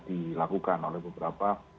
dilakukan oleh beberapa